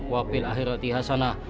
wabil akhirati hasanah